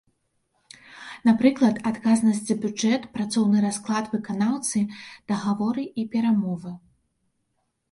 Напрыклад, адказнасць за бюджэт, працоўны расклад выканаўцы, дагаворы і перамовы.